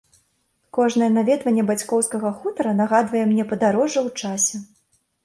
Кожнае наведванне бацькоўскага хутара нагадвае мне падарожжа ў часе.